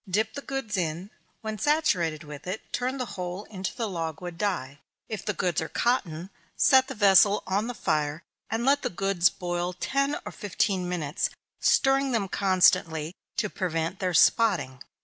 Dip the goods in when saturated with it, turn the whole into the logwood dye. If the goods are cotton, set the vessel on the fire, and let the goods boil ten or fifteen minutes, stirring them constantly to prevent their spotting.